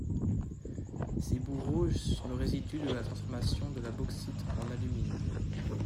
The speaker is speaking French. Ces boues rouges sont le résidu de la transformation de la bauxite en alumine.